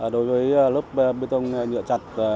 đối với lớp bê tông nhựa chặt